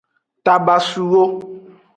Tabasuwo.